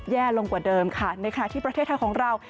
แย่ลงกว่าเดิมค่ะในขณะที่ประเทศไทยของเรา